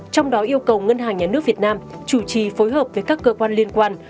trong đó yêu cầu ngân hàng nhà nước việt nam chủ trì phối hợp với các cơ quan liên quan